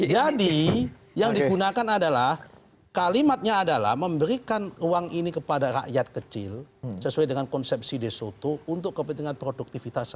jadi yang digunakan adalah kalimatnya adalah memberikan uang ini kepada rakyat kecil sesuai dengan konsepsi de soto untuk kepentingan produktivitas